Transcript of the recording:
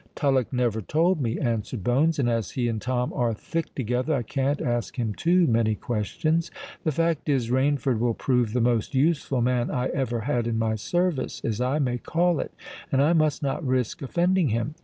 "Tullock never told me," answered Bones; "and as he and Tom are thick together, I can't ask him too many questions. The fact is, Rainford will prove the most useful man I ever had in my service, as I may call it; and I must not risk offending him.